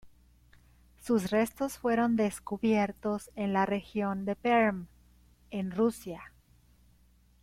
Sus restos fueron descubiertos en la región de Perm en Rusia.